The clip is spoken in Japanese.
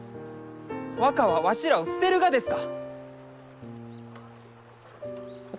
若はわしらを捨てるがですか！